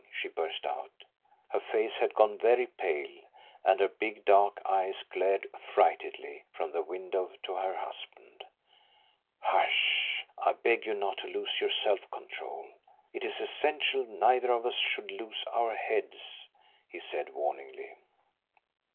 she burst out. Her face had gone very pale, and her big dark eyes glared affrightedly from the window to her husband. "Hush! I beg you not to lose your self control; it is essential neither of us should lose our heads," he said, warningly.